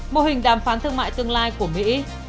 mô hình đàm phán thương mại tương lai của mỹ